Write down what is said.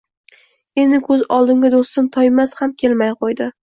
Endi ko‘z oldimga do‘stim Toymas ham kelmay qo‘ydi